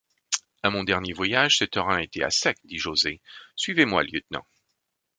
À mon dernier voyage, ce torrent était à sec, dit José. — Suivez-moi, lieutenant.